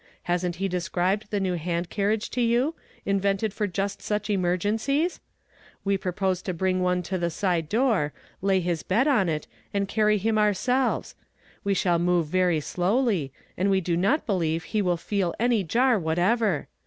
Hasn't lie de scribed the new hand carriage to you, invented for just such emergencies ? We propose to bring one to the side door, lay his bed on it, and carry him oui selves. We shall move very slowly, and we do not believe lie will feel any jar whatever.